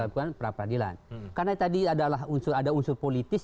karena tadi ada unsur politis